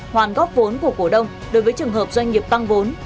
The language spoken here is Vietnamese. hoàn góp vốn của cổ đông đối với trường hợp doanh nghiệp tăng vốn